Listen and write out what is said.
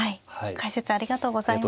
解説ありがとうございました。